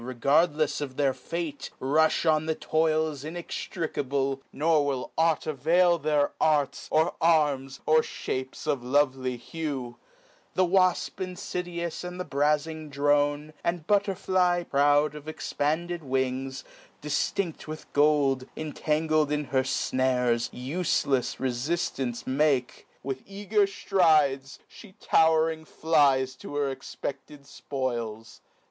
egardlefs of their fate, rum on the toils Inextricable, nor will aught avail Their arts, or arms, or fliapes of lovely hue ; The wafp infidious and the brazzing drone, And butterfly proud of expanded wings, Diftincl: with gold, entangled in her fnares, Ufelefs refiftance make : with eager ftrides, She tow'ring flies to her expected fpoils j THE SPLENDID SHILLING.